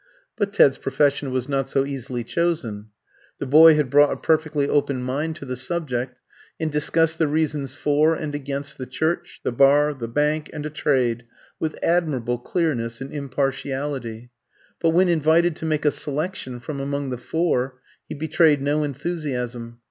But Ted's profession was not so easily chosen. The boy had brought a perfectly open mind to the subject, and discussed the reasons for and against the Church, the Bar, the Bank, and a trade, with admirable clearness and impartiality; but when invited to make a selection from among the four, he betrayed no enthusiasm.